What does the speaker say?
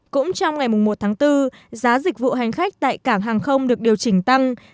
cũng trong ngày một tháng bốn giá dịch vụ hành khách tại cảng hàng không được điều chỉnh tăng